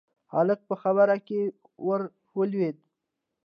هلک په خبره کې ور ولوېد: